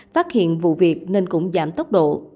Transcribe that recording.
phát hiện vụ việc nên cũng giảm tốc độ